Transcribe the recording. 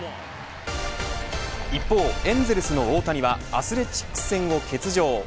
一方、エンゼルスの大谷はアスレチックス戦を欠場。